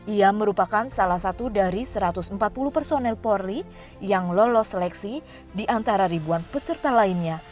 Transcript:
ia merupakan salah satu dari satu ratus empat puluh personel polri yang lolos seleksi di antara ribuan peserta lainnya